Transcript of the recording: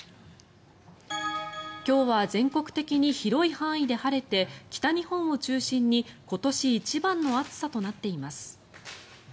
今日は全国的に広い範囲で晴れて北日本を中心に今年一番の暑さとなっています。